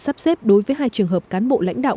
sắp xếp đối với hai trường hợp cán bộ lãnh đạo